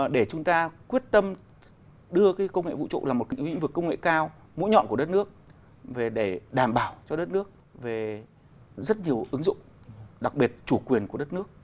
để chúng ta quyết tâm đưa công nghệ vũ trụ là một lĩnh vực công nghệ cao mũi nhọn của đất nước về để đảm bảo cho đất nước về rất nhiều ứng dụng đặc biệt chủ quyền của đất nước